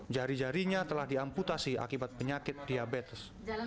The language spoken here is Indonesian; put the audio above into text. jari jarinya telah diamputasi akibat penyakit diabetes